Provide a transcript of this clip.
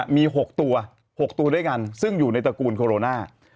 มี๖ตัว๖ตัวด้วยกันซึ่งอยู่ในตระกูลโคโรนา